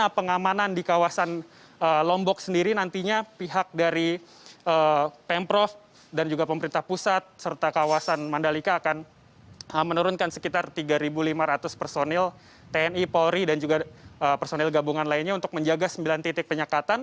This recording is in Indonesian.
bagaimana pengamanan di kawasan lombok sendiri nantinya pihak dari pemprov dan juga pemerintah pusat serta kawasan mandalika akan menurunkan sekitar tiga lima ratus personil tni polri dan juga personil gabungan lainnya untuk menjaga sembilan titik penyekatan